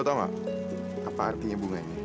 lo tau gak apa artinya bunga ini